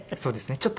そうですね。